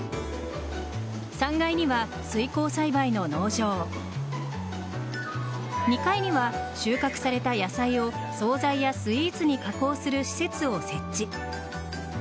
３階には水耕栽培の農場２階には収穫された野菜を総菜やスイーツに加工する施設を設置。